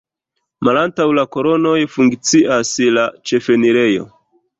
Malantaŭ la kolonoj funkcias la ĉefenirejo.